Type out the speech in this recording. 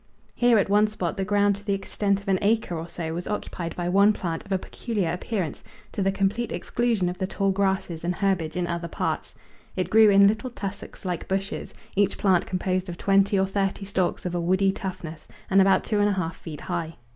Here at one spot the ground to the extent of an acre or so was occupied by one plant of a peculiar appearance, to the complete exclusion of the tall grasses and herbage in other parts. It grew in little tussocks like bushes, each plant composed of twenty or thirty stalks of a woody toughness and about two and a half feet high.